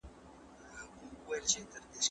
« درست پښتون له کندهاره تر اټکه سره خپل وي»